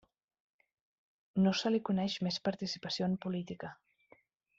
No se li coneix més participació en política.